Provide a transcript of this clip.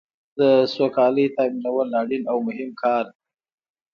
د سوکالۍ تامینول اړین او مهم کار دی.